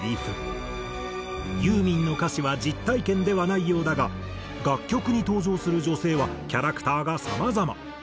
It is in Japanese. ユーミンの歌詞は実体験ではないようだが楽曲に登場する女性はキャラクターがさまざま。